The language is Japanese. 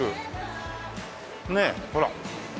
ねえほら。